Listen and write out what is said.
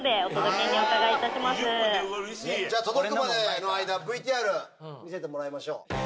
届くまでの間ＶＴＲ見せてもらいましょう。